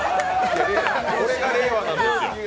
これが令和なんですよ。